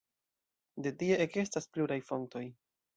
De tie ekestas pluraj fontoj.